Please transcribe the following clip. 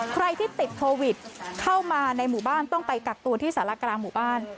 ใครที่ติดโควิดเข้ามาในหมู่บ้านต้องไปกักตัวที่สารกลางหมู่บ้าน